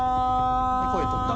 声取った！